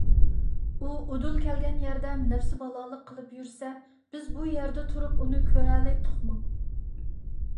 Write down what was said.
ئۇ ئۇدۇل كەلگەن يەردە نەپسى بالالىق قىلىپ يۈرسە، بىز بۇ يەردە تۇرۇپ ئۇنى كۆرەلەيتتۇقمۇ؟